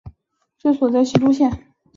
治所在西都县。